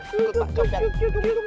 ikut pak kopian